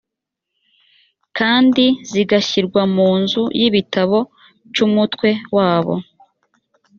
kandi zigashyirwa mu nzu y ibitabo cy,umutwe wabo.